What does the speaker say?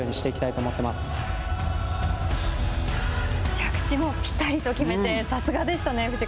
着地もぴたりと決めて、さすがでしたね。